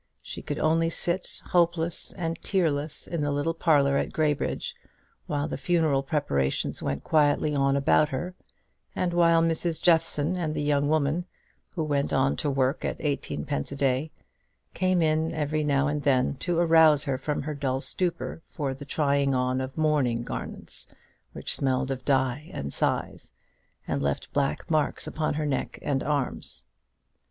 She could only sit hopeless and tearless in the little parlour at Graybridge while the funeral preparations went quietly on about her, and while Mrs. Jeffson and the young woman, who went on to work at eighteenpence a day, came in every now and then to arouse her from her dull stupor for the trying on of mourning garments which smelt of dye and size, and left black marks upon her neck and arms.